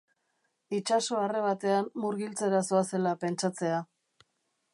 Itsaso arre batean murgiltzera zoazela pentsatzea.